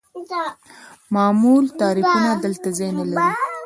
معمول تعریفونه دلته ځای نلري.